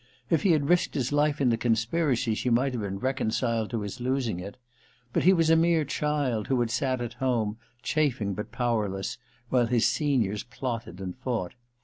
If he had risked his life in the conspiracy, she might have been reconciled to his losing it. But he was a mere child, who had sat at home, chafing but powerless, while his seniors plotted and fought.